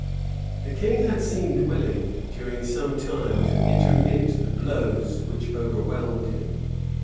The king had seemed willing, during some time, to intermit the blows which overwhelmed him.